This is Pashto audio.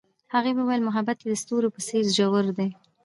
هغې وویل محبت یې د ستوري په څېر ژور دی.